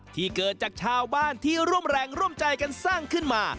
ที่เกิดจากชาวบ้านที่ร่วมแรงร่วมใจกันสร้างขึ้นมา